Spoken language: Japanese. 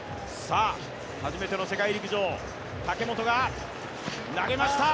初めての世界陸上、武本が投げました